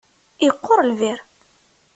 Yeqqur lbir.